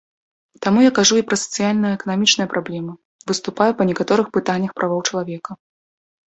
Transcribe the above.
Таму я кажу і пра сацыяльна-эканамічныя праблемы, выступаю па некаторых пытаннях правоў чалавека.